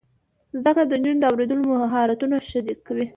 زده کړه د نجونو د اوریدلو مهارتونه ښه کوي.